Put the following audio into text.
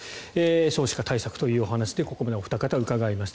少子化対策というお話でここまでお二方にお話をお伺いしました。